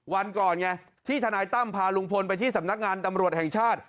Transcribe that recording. วันก่อนไงที่ทนายตั้มพาลุงพลไปที่สำนักงานตำรวจแห่งชาติ